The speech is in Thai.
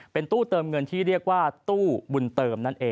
ก็ได้ฝรั่งชื่อตู้บุญเติม